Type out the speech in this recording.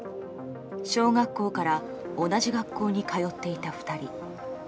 小学校から同じ学校に通っていた２人。